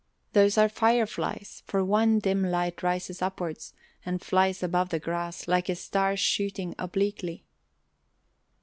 Those are fireflies for one dim light rises upwards and flies above the grass like a star shooting obliquely.